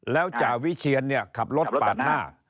แล้วจ่าวิเชียนเนี่ยขับรถปาดหน้า